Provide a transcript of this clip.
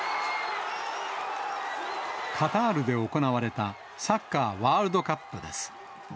カタールで行われたサッカーワールドカップです。